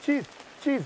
チーズ！